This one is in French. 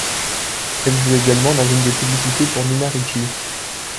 Elle joue également dans une des publicités pour Nina Ricci.